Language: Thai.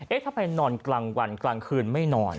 ทำไมนอนกลางวันกลางคืนไม่นอน